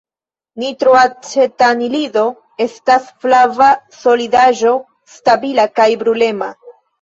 Nitroacetanilido estas flava solidaĵo stabila kaj brulema.